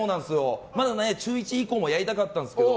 まだ中１以降もやりたかったんですけど。